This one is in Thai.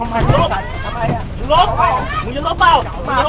มันหรือเขา